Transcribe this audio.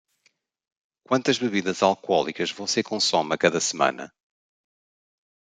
Quantas bebidas alcoólicas você consome a cada semana?